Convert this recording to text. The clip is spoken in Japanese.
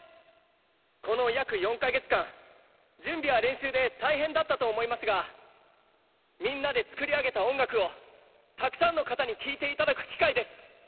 この約４か月間準備や練習で大変だったと思いますがみんなで作り上げた音楽をたくさんの方に聴いていただく機会です。